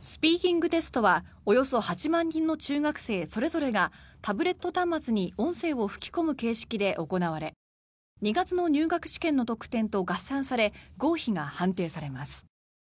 スピーキングテストはおよそ８万人の中学生それぞれがタブレット端末に音声を吹き込む形式で行われ２月の入学試験の得点と合算され合否が判定されます。